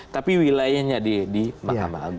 tapi wilayahnya di mahkamah agung